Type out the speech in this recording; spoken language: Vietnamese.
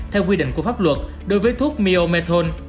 theo quy định của pháp luật đối với thuốc myomethon